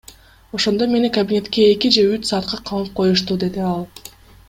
Ошондо мени кабинетке эки же үч саатка камап коюшту, — деди ал.